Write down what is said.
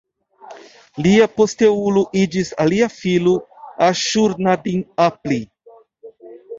Lia posteulo iĝis alia filo, Aŝur-nadin-apli.